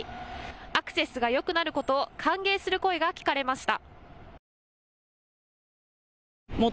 アクセスがよくなることを歓迎する声が聞かれました。